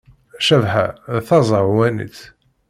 Cabḥa d tazehwanit.